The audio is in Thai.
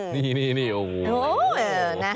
นี่นี่นี่โอ้โห